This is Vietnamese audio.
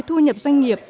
thu nhập doanh nghiệp